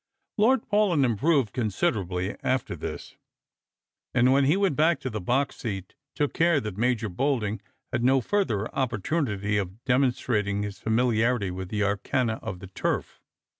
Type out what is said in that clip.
Lord Paulyn improved considerably after this, and when he went back to the box seat took care that Major Bolding had no farther opportunity of demonstrating his familiarity with the arcana of the turf.